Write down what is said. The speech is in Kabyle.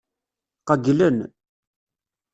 Qeyylen.